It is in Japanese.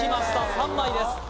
３枚です